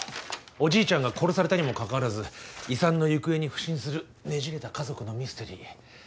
おじいちゃんが殺されたにもかかわらず遺産の行方に腐心するねじれた家族のミステリー。